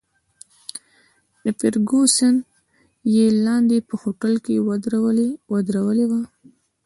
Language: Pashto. فرګوسن یې لاندې په هوټل کې ودرولې وه.